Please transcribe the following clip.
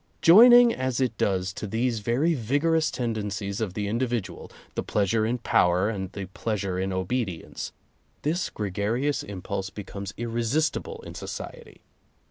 Joining as it does to these very vigorous ten dencies of the individual — the pleasure in power and the pleasure in obedience — this gregarious impulse becomes irresistible in society.